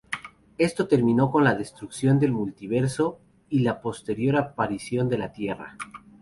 Esto terminó con la destrucción del multiverso y la posterior aparición de la Tierra.